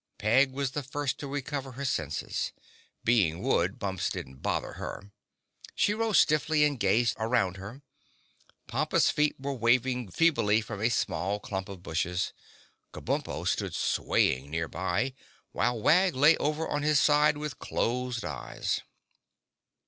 Peg was the first to recover her senses. Being wood, bumps didn't bother her. She rose stiffly and gazed around her. Pompa's feet were waving feebly from a small clump of bushes. Kabumpo stood swaying near by, while Wag lay over on his side with closed eyes.